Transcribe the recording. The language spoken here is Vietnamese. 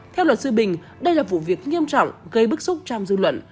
theo luật sư bình đây là vụ việc nghiêm trọng gây bức xúc trong dư luận